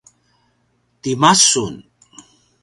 tima sun?